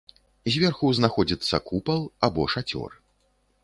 Зверху знаходзіцца купал або шацёр.